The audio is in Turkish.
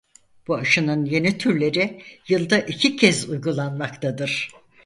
Bu aşının yeni türleri yılda iki kez uygulanmaktadır.